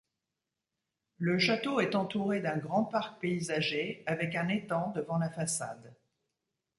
Le château est entouré d'un grand parc paysager, avec un étang devant la façade.